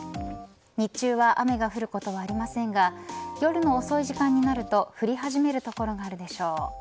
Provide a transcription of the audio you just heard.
日中は雨が降ることはありませんが夜の遅い時間になると降り始める所があるでしょう。